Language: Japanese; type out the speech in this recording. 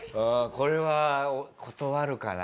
これは断るかな。